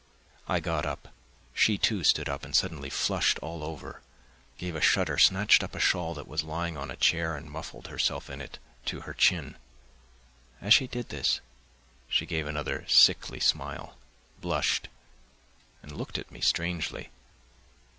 I got up; she, too, stood up and suddenly flushed all over, gave a shudder, snatched up a shawl that was lying on a chair and muffled herself in it to her chin. As she did this she gave another sickly smile, blushed and looked at me strangely.